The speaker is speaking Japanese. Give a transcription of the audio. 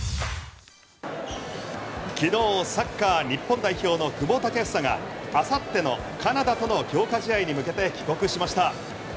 昨日、サッカー日本代表の久保建英があさってのカナダとの強化試合に向けて帰国しました。